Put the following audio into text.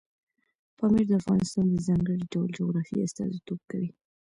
پامیر د افغانستان د ځانګړي ډول جغرافیې استازیتوب کوي.